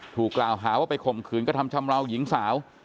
ถูกกล่าวหาว่าไปข่มขืนกระทำชำราวหญิงสาว